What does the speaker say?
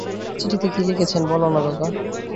চিঠিতে কী লিখেছেন বলো-না দাদা।